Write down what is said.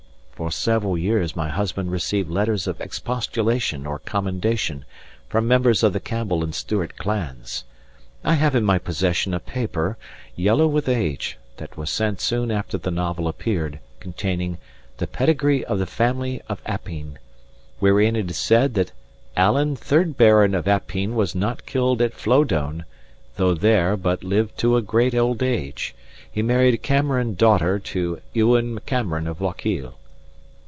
For several years my husband received letters of expostulation or commendation from members of the Campbell and Stewart clans. I have in my possession a paper, yellow with age, that was sent soon after the novel appeared, containing "The Pedigree of the Family of Appine," wherein it is said that "Alan 3rd Baron of Appine was not killed at Flowdoun, tho there, but lived to a great old age. He married Cameron Daughter to Ewen Cameron of Lochiel."